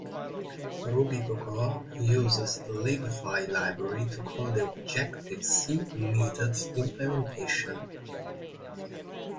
RubyCocoa uses the libffi library to call the Objective-C methods implementations.